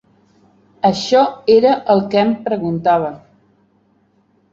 Això era el què em preguntava.